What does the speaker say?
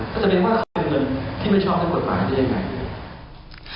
ก็จะเป็นว่าเค้าเป็นคนที่ไม่ชอบกฎหมายที่ไหน